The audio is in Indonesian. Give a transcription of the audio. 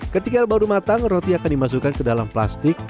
ketika baru matang roti akan dimasukkan ke dalam plastik